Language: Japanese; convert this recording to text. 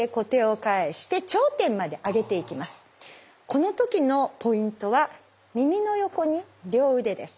この時のポイントは耳の横に両腕です。